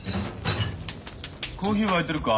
コーヒー沸いてるか？